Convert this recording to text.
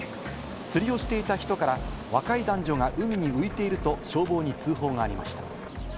釣りをしていた人から若い男女が海に浮いていると消防に通報がありました。